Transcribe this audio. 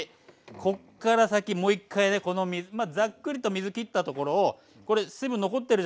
こっから先もう一回ねざっくりと水きったところをこれ水分残ってるじゃないですか。